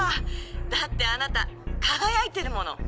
だってあなたかがやいてるもの！